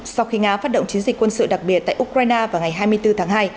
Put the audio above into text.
sau khi nga phát động chiến dịch quân sự đặc biệt tại ukraine vào ngày hai mươi bốn tháng hai